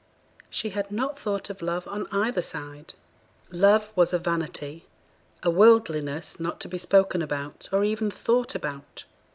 She had not thought of love on either side. Love was a vanity, a worldliness not to be spoken about, or even thought about.